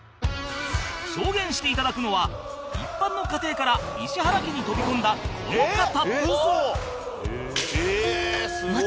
証言して頂くのは一般の家庭から石原家に飛び込んだこの方えっ！